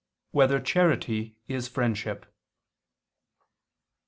1] Whether Charity Is Friendship?